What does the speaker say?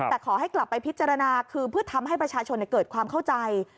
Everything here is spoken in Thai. แต่ขอให้กลับไปพิจารณาคือเพื่อทำให้ประชาชนเกิดความเข้าใจ